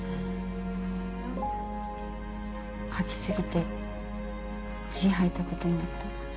吐き過ぎて血吐いたこともあった。